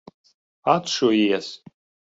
Atšujies!